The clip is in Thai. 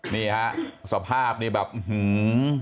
นี่ฮะสภาพนี่แบบอื้อหือ